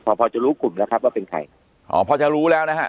พอพอจะรู้กลุ่มแล้วครับว่าเป็นใครอ๋อพอจะรู้แล้วนะฮะ